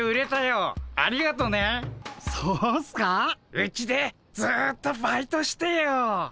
うちでずっとバイトしてよ。